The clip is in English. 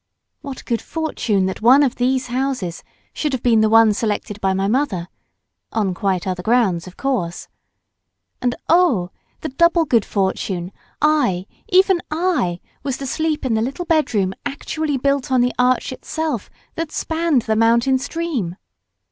What good fortune that one of these houses should have been the one selected by my mother—on quite other grounds, of course—and, oh! the double good fortune I, even I, was to sleep in the little bedroom actually built on the arch itself that spanned the mountain stream!